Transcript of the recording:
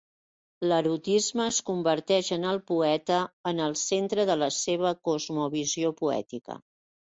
L'erotisme es converteix en el poeta en el centre de la seva cosmovisió poètica.